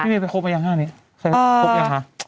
นี่มีไปครบไปอย่างนี้ครบอย่างค่ะ